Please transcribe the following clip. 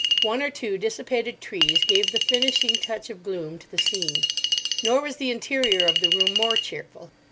One or two dissipated trees gave the finishing touch of gloom to the scene. Nor was the interior of the room more cheerful.